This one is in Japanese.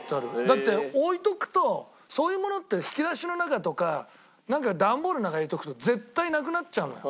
だって置いとくとそういうものって引き出しの中とかなんか段ボールの中入れとくと絶対なくなっちゃうのよ。